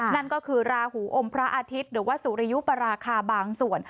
นั่นก็คือราหูอมพระอาทิตย์หรือว่าสุริยุปราคาบางส่วน